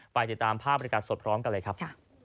ติดตามภาพบริการสดพร้อมกันเลยครับ